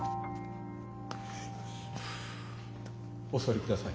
お座りください。